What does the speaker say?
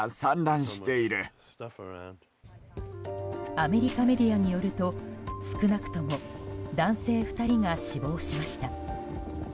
アメリカメディアによると少なくとも男性２人が死亡しました。